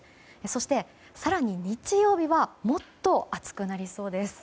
そして、更に日曜日はもっと暑くなりそうです。